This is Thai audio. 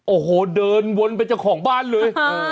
โอ้โหเดินวนไปเจ้าของบ้านเลย